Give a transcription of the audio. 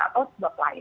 atau sebuah lain